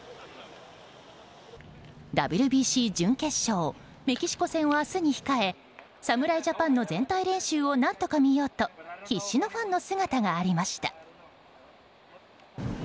ＷＢＣ準決勝メキシコ戦を明日に控え侍ジャパンの全体練習を何とか見ようと必死のファンの姿がありました。